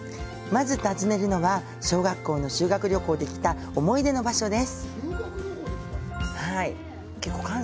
まず訪ねるのは小学校の修学旅行で来た思い出の場所。